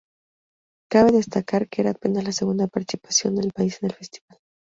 Cabe destacar que era apenas la segunda participación del país en el festival.